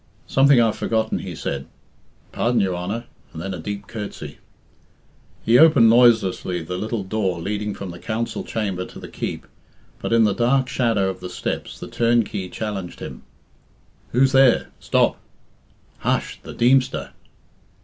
"Something I've forgotten," he said. "Pardon, your Honour," and then a deep courtesy. He opened noiselessly the little door leading from the council chamber to the keep, but in the dark shadow of the steps the turnkey challenged him. "Who's there? Stop!" "Hush!" "The Deemster!